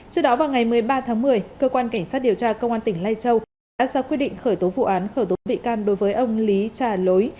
trước đó vào ngày một mươi ba tháng một mươi cơ quan cảnh sát điều tra công an tỉnh lai châu đã ra quyết định khởi tố vụ án khởi tố bị can đối với ông lý trà lối